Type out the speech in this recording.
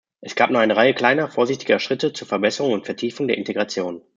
Es gab nur eine Reihe kleiner vorsichtiger Schritte zur Verbesserung und Vertiefung der Integration.